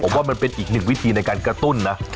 ผมว่ามันเป็นอีกหนึ่งวิธีในการกระตุ้นนะ